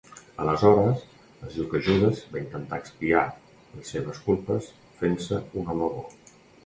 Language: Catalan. Aleshores, es diu que Judes va intentar expiar les seves culpes fent-se un home bo.